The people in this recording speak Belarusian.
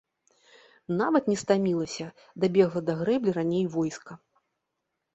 Нават не стамілася, дабегла да грэблі раней войска.